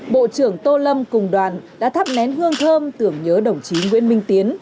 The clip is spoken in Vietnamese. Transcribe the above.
bộ trưởng tô lâm cùng đoàn đã thắp nén hương thơm tưởng nhớ đồng chí nguyễn minh tiến